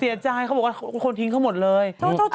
เขาบอกว่าคนทิ้งเขาหมดเลย